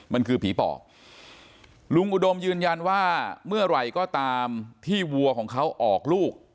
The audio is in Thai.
มันคือผีปอบลุงอุดมยืนยันว่าเมื่อไหร่ก็ตามที่วัวของเขาออกลูก